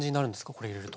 これ入れると。